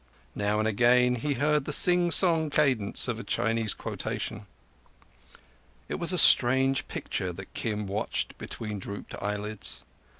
Now and again he heard the singsong cadence of a Chinese quotation. It was a strange picture that Kim watched between drooped eyelids.